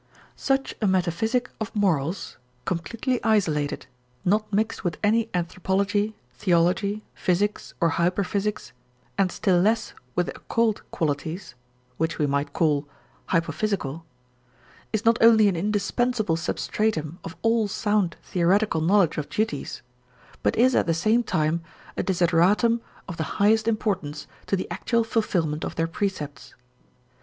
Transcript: Such a metaphysic of morals, completely isolated, not mixed with any anthropology, theology, physics, or hyperphysics, and still less with occult qualities (which we might call hypophysical), is not only an indispensable substratum of all sound theoretical knowledge of duties, but is at the same time a desideratum of the highest importance to the actual fulfilment of their precepts.